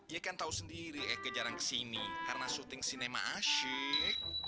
yee kan tahu sendiri eike jarang kesini karena syuting sinema asyik